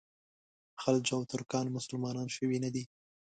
خلج او ترکان مسلمانان شوي نه دي.